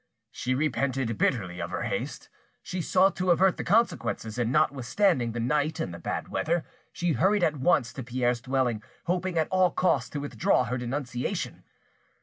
She repented bitterly of her haste, she sought to avert the consequences, and notwithstanding the night and the bad weather, she hurried at once to Pierre's dwelling, hoping at all costs to withdraw her denunciation.